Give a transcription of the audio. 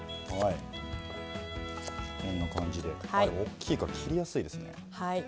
こんな感じで大きいから切りやすいですね。